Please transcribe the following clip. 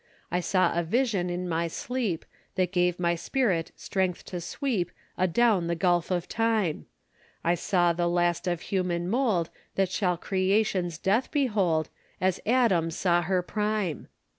I saw a vision in my sleep, That gave my spirit strength to sweep Adown the gulf of time! I saw the last of human mold That shall creation's death behold, As Adam saw her prime!